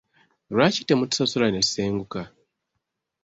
Lwaki temutusasula netusenguka?